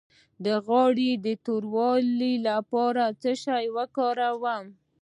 د غاړې د توروالي لپاره څه شی وکاروم؟